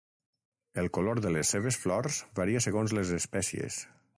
El color de les seves flors varia segons les espècies.